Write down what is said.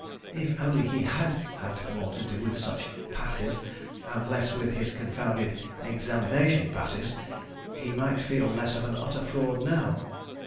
(If only he had had more to do with such "passes" and less with his confounded examination passes—he might feel less of an utter fraud now.)